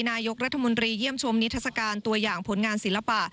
นายกรัฐมนตรีเยี่ยมชมนิทัศกาลตัวอย่างผลงานศิลปะ